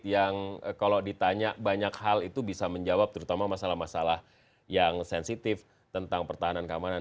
yang kalau ditanya banyak hal itu bisa menjawab terutama masalah masalah yang sensitif tentang pertahanan keamanan